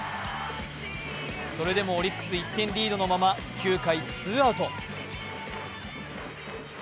それでもオリックス１点リードのまま９回ツーアウト。